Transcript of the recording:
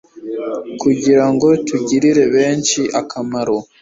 kugira ngo tugirire benshi akamaro